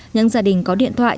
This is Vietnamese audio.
những gia đình có điện thoại